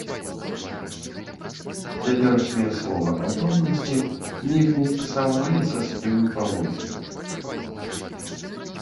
Цяперашнія словы аб роўнасці неяк не стасаваліся з тымі паводзінамі.